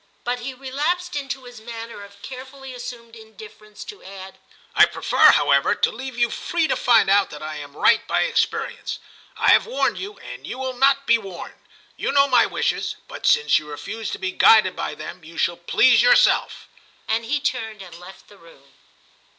But he relapsed into his manner of carefully assumed indifference to 220 TIM CHAP. add, ' I prefer, however, to leave you free to find out that I am right by experience; I have warned you, and you will not be warned ; you know my wishes, but since you refuse to be guided by them you shall please yourself.* And he turned and left the room.